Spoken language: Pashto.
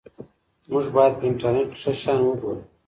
موږ باید په انټرنیټ کې ښه شیان وګورو.